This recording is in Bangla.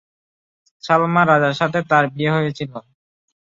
সালমা রাজার সাথে তার বিয়ে হয়েছিল।